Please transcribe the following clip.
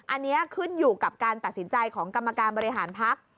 อันนี้ขึ้นอยู่กับการตัดสินใจของกรรมการบริหารพัก